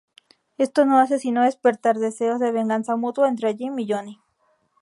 Esto no hace sino despertar deseos de venganza mutua entre Jim y Johnny.